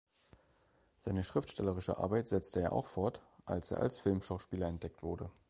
Seine schriftstellerische Arbeit setzte er auch fort, als er als Filmschauspieler entdeckt wurde.